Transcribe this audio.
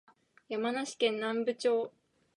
山梨県南部町